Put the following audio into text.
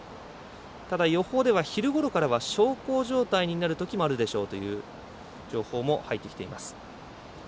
ただ、予報では昼ごろからは小康状態になるときもあるでしょうという情報も入ってきています。